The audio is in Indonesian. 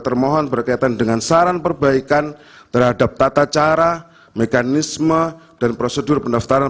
termohon berkaitan dengan saran perbaikan terhadap tata cara mekanisme dan prosedur pendaftaran